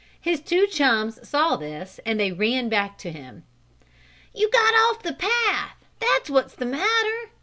His two chums saw this as they ran back to him. "You got off the path, that's what's the matter!"